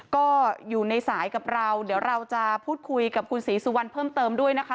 ก็อยู่ในสายกับเราเดี๋ยวเราจะพูดคุยกับคุณศรีสุวรรณเพิ่มเติมด้วยนะคะ